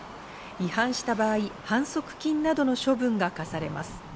違反した場合、反則金などの処分が科されます。